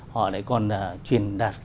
họ lại còn truyền đạt